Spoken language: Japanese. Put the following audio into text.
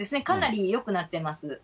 かなりよくなってます。